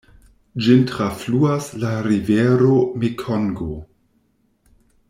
Ĝin trafluas la rivero Mekongo.